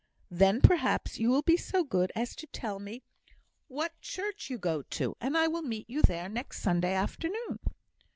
"Then, perhaps, you will be so good as to tell me what church you go to, and I will meet you there next Sunday afternoon?"